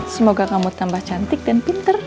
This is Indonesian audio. semoga kamu tambah cantik dan pinter